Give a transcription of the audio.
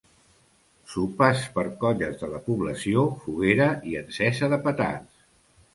Sopars per colles de la població, foguera i encesa de petards.